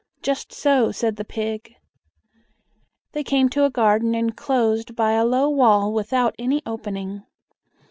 "Just so!" said the pig. They came to a garden inclosed by a low wall without any opening.